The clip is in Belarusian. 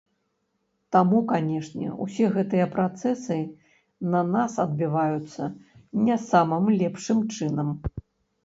Таму, канешне, усе гэтыя працэсы на нас адбіваюцца не самым лепшым чынам.